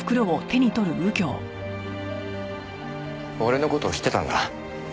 俺の事知ってたんだ。